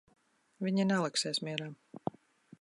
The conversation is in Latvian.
Viņi neliksies mierā.